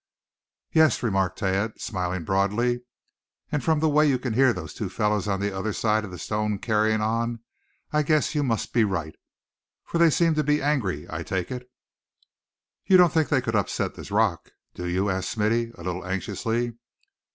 "Yes," remarked Thad, smiling broadly, "and from the way you can hear those two fellows on the other side of the stone carrying on, I guess you must be right; for they seem to be some angry I take it." "You don't think they could upset this rock, do you?" asked Smithy, a little anxiously.